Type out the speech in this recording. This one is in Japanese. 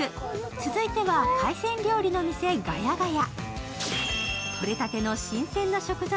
続いては海鮮料理の店我家我家。